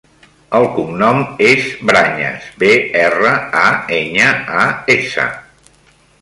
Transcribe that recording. El cognom és Brañas: be, erra, a, enya, a, essa.